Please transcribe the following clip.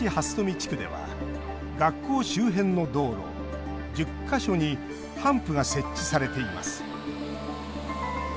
地区では学校周辺の道路、１０か所にハンプが設置されています。